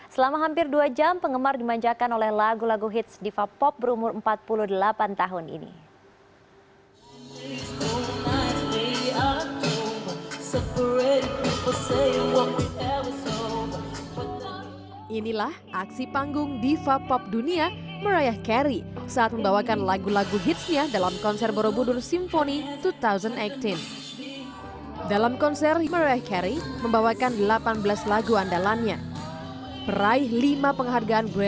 selama hampir dua jam penggemar dimanjakan oleh lagu lagu hits diva pop berumur empat puluh delapan tahun ini